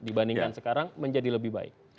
dibandingkan sekarang menjadi lebih baik